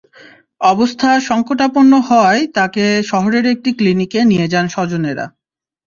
অবস্থা সংকটাপন্ন হওয়ায় পরে তাঁকে শহরের একটি ক্লিনিকে নিয়ে যান স্বজনেরা।